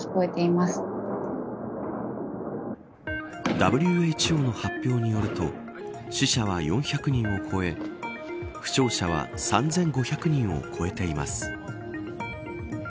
ＷＨＯの発表によると死者は４００人を超え負傷者は３５００人を超えています。